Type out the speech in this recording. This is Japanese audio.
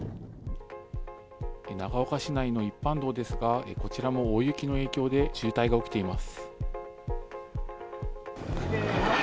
長岡市内の一般道ですがこちらも大雪の影響で渋滞が起きています。